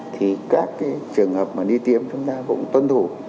thì các trường hợp mà đi tiêm chúng ta cũng tuân thủ